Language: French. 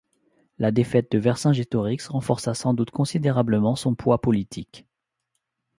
La défaite de Vercingétorix renforça sans doute considérablement son poids politique.